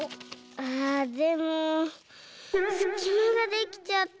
あでもすきまができちゃった。